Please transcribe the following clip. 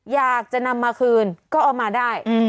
อยากจะนำมาคืนก็เอามาได้